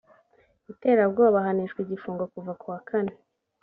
iterabwoba ahanishwa igifungo kuva ku wa kane